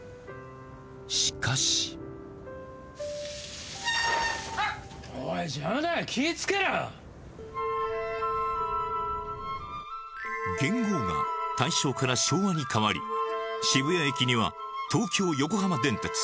しかし元号が大正から昭和に変わり渋谷駅には東京横浜電鉄